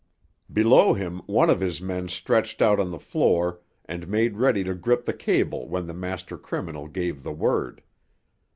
Below him one of his men stretched out on the floor and made ready to grip the cable when the master criminal gave the word.